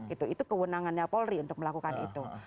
itu kewenangannya polri untuk melakukan itu